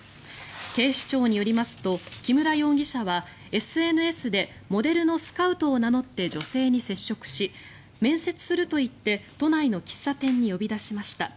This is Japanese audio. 警視庁によりますと木村容疑者はＳＮＳでモデルのスカウトを名乗って女性に接触し面接すると言って都内の喫茶店に呼び出しました。